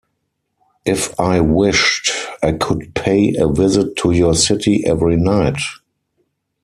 If I wished, I could pay a visit to your city every night.